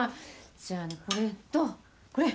じゃあこれとこれ。